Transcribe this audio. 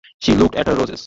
She looked at her roses.